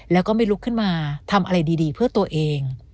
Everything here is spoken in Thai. แล้วก็ไม่ลุกขึ้นมาทำอะไรดีเพื่อตัวเอง